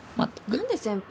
何で先輩